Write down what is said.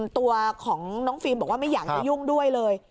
ตัวของน้องฟิล์มบอกว่าไม่อยากจะยุ่งด้วยเลย